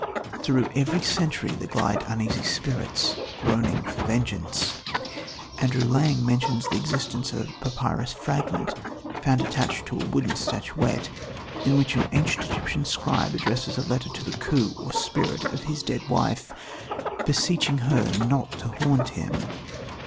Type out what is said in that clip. Through every century there glide uneasy spirits, groaning for vengeance. Andrew Lang mentions the existence of a papyrus fragment, found attached to a wooden statuette, in which an ancient Egyptian scribe addresses a letter to the Khou, or spirit, of his dead wife, beseeching her not to haunt him.